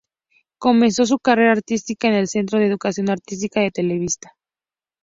Comenzó su carrera artística en el Centro de Educación Artística de Televisa.